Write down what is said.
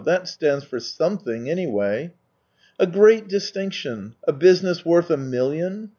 That stands for something, anyway !"" A great distinction — a business worth a million